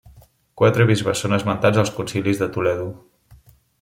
Quatre bisbes són esmentats als concilis de Toledo.